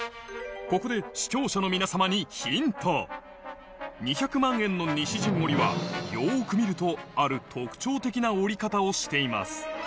ここで視聴者の皆様にヒント２００万円の西陣織はよく見るとある特徴的な織り方をしています